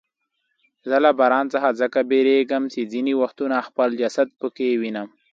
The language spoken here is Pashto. زه له باران څخه ځکه بیریږم چې ځیني وختونه خپل جسد پکې وینم.